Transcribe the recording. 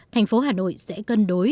thành phố hà nội sẽ cân đối